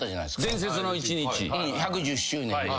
『伝説の一日』１１０周年で。